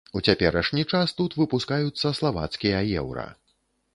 У цяперашні час тут выпускаюцца славацкія еўра.